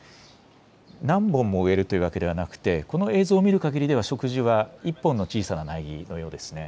何本も植えるというわけではなくてこの映像を見るかぎりでは植樹は１本の小さな苗木のようですね。